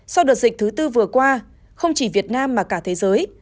sau đợt dịch thứ tư vừa qua không chỉ việt nam mà cả thế giới